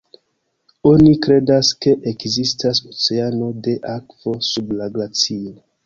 Oni kredas ke ekzistas oceano de akvo sub la glacio.